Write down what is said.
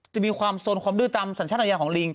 จะมีความโซนความดื้อตามสัญชาติอาญาของลิง